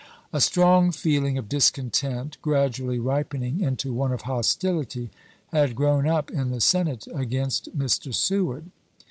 A strong feeling of discontent, gradually ripening into one of hostility, had grown up in the Senate against Mr. Seward.